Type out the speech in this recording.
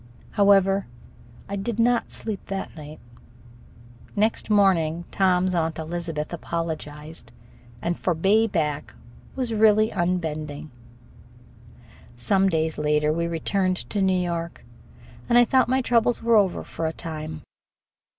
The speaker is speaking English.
However, I did not sleep that night. Next morning Tom's Aunt Elizabeth apologized, and for Back Bay was really unbending. Some days later we returned to New York, and I thought my troubles were over for a time.